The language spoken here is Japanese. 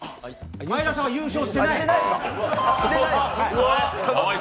眞栄田さんは優勝してない。